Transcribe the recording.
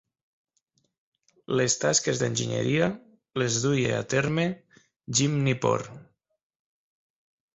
Les tasques d'enginyeria les duia a terme Jim Nipor.